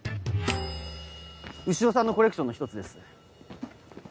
潮さんのコレクションの１つです。